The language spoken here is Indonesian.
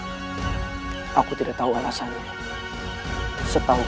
jika demikian kenapa kau menolong